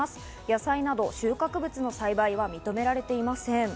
野菜など収穫物の栽培は認められていません。